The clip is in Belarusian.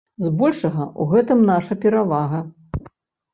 Збольшага ў гэтым наша перавага.